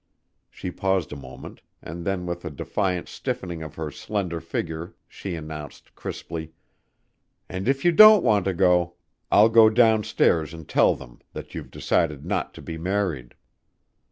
She paused a moment and then with a defiant stiffening of her slender figure she announced crisply. "And if you don't want to, I'll go downstairs and tell them that you've decided not to be married."